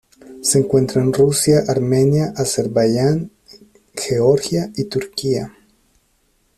Se encuentra en Rusia, Armenia, Azerbaiyán, Georgia y Turquía.